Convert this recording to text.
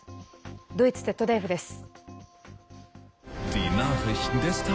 ドイツＺＤＦです。